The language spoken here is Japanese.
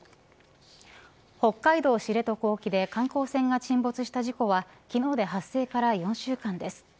北海道知床沖で観光船が沈没した事故は昨日で発生から４週間です。